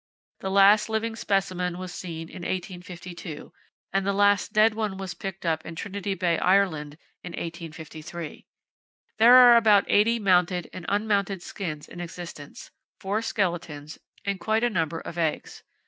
The last living specimen was seen in 1852, and the last dead one was picked up in Trinity Bay, Ireland, in 1853. There are about 80 mounted and unmounted skins in existence, four skeletons, and quite a number of eggs.